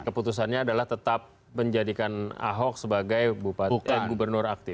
keputusannya adalah tetap menjadikan ahok sebagai gubernur aktif